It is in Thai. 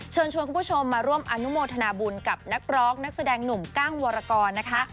เชิญชวนคุณผู้ชมมาร่วมอนุโมทนาบุญกับนักร้องนักแสดงหนุ่มกั้งวรกรนะคะ